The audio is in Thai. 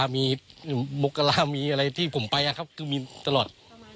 มีมกรามีอะไรที่ผมไปคือมีตลอด